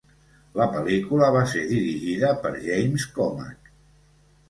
La pel·lícula va ser dirigida per James Komack.